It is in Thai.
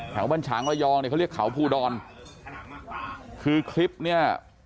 แถวบัญชางละยองเนี้ยเขาเรียกเขาพูดอนคือคลิปเนี้ย